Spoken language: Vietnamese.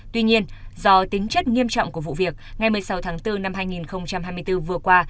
tuy nhiên do tính chất nghiêm trọng của vụ việc ngày một mươi sáu tháng bốn năm hai nghìn hai mươi bốn vừa qua